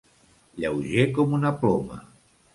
Lleuger com una ploma.